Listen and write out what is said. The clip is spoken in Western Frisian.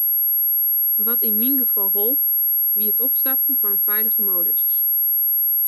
Wat yn myn gefal holp, wie it opstarten yn feilige modus.